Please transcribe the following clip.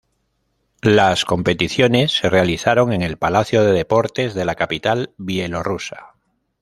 Las competiciones se realizaron en el Palacio de Deportes de la capital bielorrusa.